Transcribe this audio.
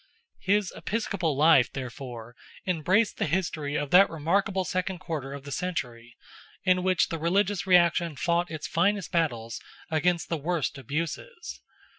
His episcopal life, therefore, embraced the history of that remarkable second quarter of the century, in which the religious reaction fought its first battles against the worst abuses.